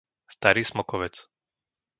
Starý Smokovec